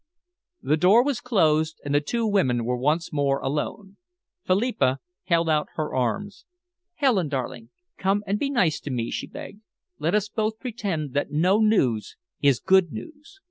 The door was closed, and the two women were once more alone. Philippa held out her arms. "Helen, darling, come and be nice to me," she begged. "Let us both pretend that no news is good news.